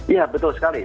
iya betul sekali